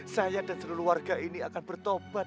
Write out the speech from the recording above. saya dan seluruh warga ini akan bertobat